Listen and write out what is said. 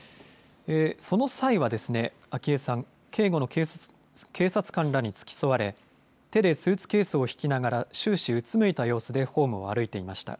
その際は、昭恵さん、警護の警察官らに付き添われ、手でスーツケースを引きながら、終始うつむいた様子でホームを歩いていました。